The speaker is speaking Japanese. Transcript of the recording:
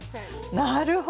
なるほど！